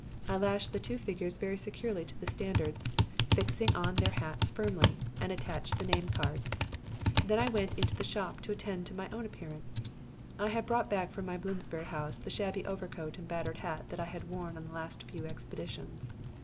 I lashed the two figures very securely to the standards, fixed on their hats firmly, and attached their name cards. Then I went into the shop to attend to my own appearance. "I had brought back from my Bloomsbury house the shabby overcoat and battered hat that I had worn on the last few expeditions.